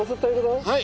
はい！